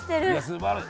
すばらしい。